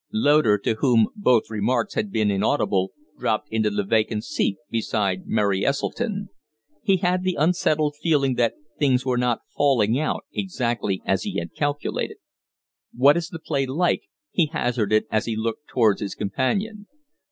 Loder, to whom both remarks had been inaudible dropped into the vacant seat beside Mary Esseltyn. He had the unsettled feeling that things were not falling out exactly as he had calculated. "What is the play like?" he hazarded as he looked towards his companion.